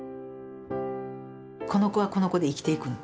この子はこの子で生きていくの。